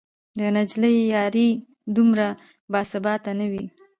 د نجلۍ یاري دومره باثباته نه وي